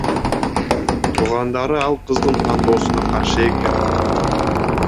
Туугандары ал кыздын тандоосуна каршы экен.